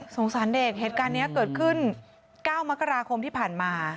สงสารเด็กเหตุการณ์นี้เกิดขึ้น๙มกราคมที่ผ่านมา